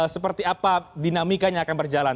seperti apa dinamikanya akan berjalan